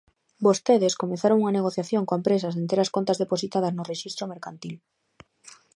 Vostedes comezaron unha negociación coa empresa sen ter as contas depositadas no Rexistro Mercantil.